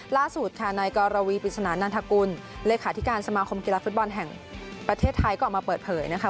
ล่าสุดค่ะนายกรวีปริศนานันทกุลเลขาธิการสมาคมกีฬาฟุตบอลแห่งประเทศไทยก็ออกมาเปิดเผยนะคะ